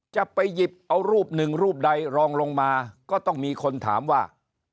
จะไปหยิบเอารูปหนึ่งรูปใดรองลงมาก็ต้องมีคนถามว่า